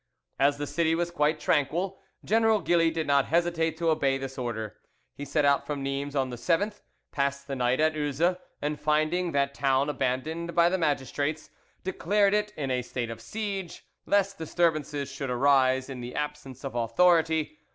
As the city was quite tranquil, General Gilly did not hesitate to obey this order: he set out from Nimes on the 7th, passed the night at Uzes, and finding that town abandoned by the magistrates, declared it in a state of siege, lest disturbances should arise in the absence of authority.